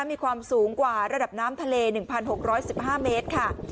มีความสูงกว่าระดับน้ำทะเล๑๖๑๕เมตรค่ะ